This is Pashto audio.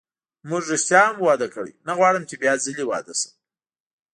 موږ ریښتیا هم واده کړی، نه غواړم چې بیا ځلي واده شم.